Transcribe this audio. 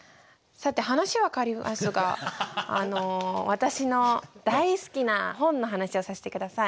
さて話は変わりますがあの私の大好きな本の話をさせて下さい。